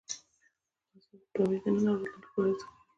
افغانستان کې پامیر د نن او راتلونکي لپاره ارزښت لري.